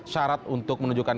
syarat untuk menunjukkan